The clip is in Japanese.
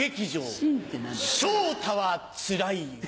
「昇太はつらいよ」。